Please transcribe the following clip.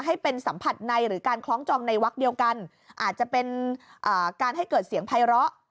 ให้เป็นสัมผัสในหรือการคล้องจองในวักเดียวกันอาจจะเป็นการให้เกิดเสียงภัยร้อ